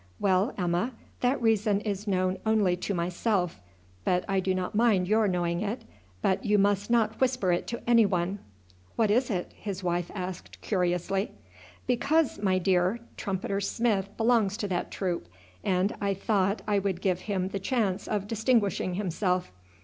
"Well, Emma, that reason is known only to myself, but I do not mind your knowing it; but you must not whisper it to anyone." "What is it?" his wife asked curiously. "Because, my dear, Trumpeter Smith belongs to that troop, and I thought I would give him the chance of distinguishing himself.